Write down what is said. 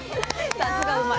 さすがうまい。